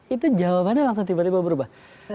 itu jawabannya langsung tiba tiba berubah